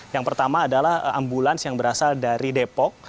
yang pertama adalah ambulans yang berasal dari depok